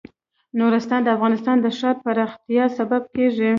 نورستان د افغانستان د ښاري پراختیا سبب کېږي.